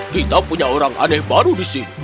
kita punya orang aneh baru di sini